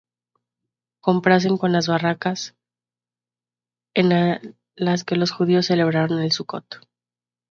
Compárese con las "barracas" en las que los judíos celebraban el Sucot.